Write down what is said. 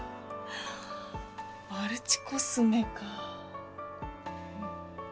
マルチコスメか。